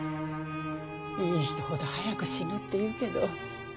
いい人ほど早く死ぬっていうけど。